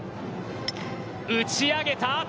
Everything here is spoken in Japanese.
打ち上げた。